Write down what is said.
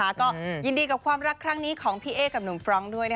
ก็ยินดีกับความรักครั้งนี้ของพี่เอ๊กับหนุ่มฟรองก์ด้วย